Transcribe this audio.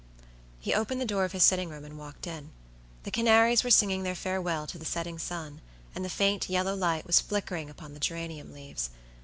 He opened the door of his sitting room, and walked in. The canaries were singing their farewell to the setting sun, and the faint, yellow light was flickering upon the geranium leaves.